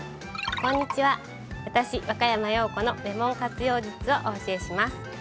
こんにちは私若山曜子のレモン活用術をお教えします！